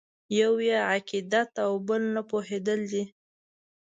یو یې عقیدت او بل نه پوهېدل دي.